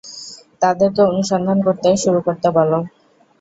তাদেরকে অনুসন্ধান শুরু করতে বলো।